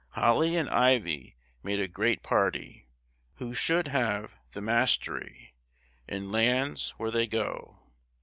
"Holly and Ivy made a great party, Who should have the mastery In lands where they go.